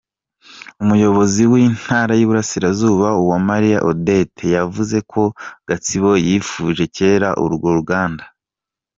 Umuyobozi w’Intara y’Iburasirazuba, Uwamariya Odette, yavuze ko Gatsibo yifuje kera urwo ruganda.